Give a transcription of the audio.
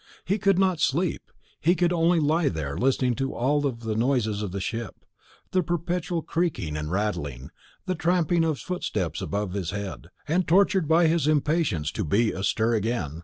He could not sleep; he could only lie there listening to all the noises of the ship, the perpetual creaking and rattling, and tramping of footsteps above his head, and tortured by his impatience to be astir again.